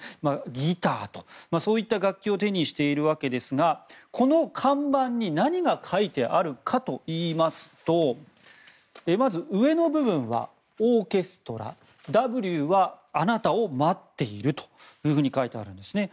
ギターと、そういった楽器を手にしているわけですがこの看板に何が書いてあるかといいますとまず上の部分は「オーケストラＷはあなたを待っている」というふうに書いてあるんですね。